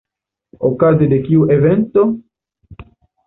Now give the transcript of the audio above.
Okaze de kiu evento?